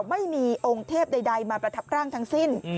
ไม่มีองค์เทพใดมาประทับร่างทั้งสิ้น